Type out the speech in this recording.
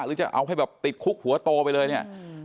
หรือจะเอาให้แบบติดคุกหัวโตไปเลยเนี่ย